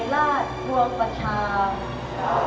ขอน้องอภิวรรณราชาเห็นราชัน